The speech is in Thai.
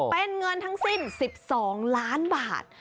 เป็นเงินทั้งสิ้น๑๒ล้านบาท